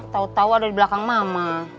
tau tau ada di belakang mama